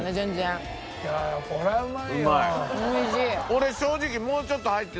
俺正直。